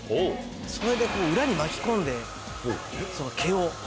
それで裏に巻き込んで毛を。